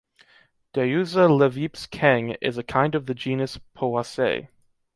Deyeuxia levipes Keng is a kind of the genus Poaceae.